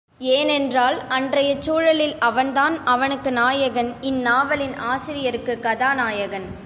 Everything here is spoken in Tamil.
ஏனென்றால், அன்றையச் சூழலில் அவன்தான் அவனுக்கு நாயகன் இந்நாவலின் ஆசிரியருக்குக் கதாநாயகன்.